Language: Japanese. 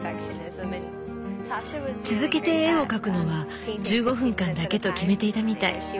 続けて絵を描くのは１５分間だけと決めていたみたい。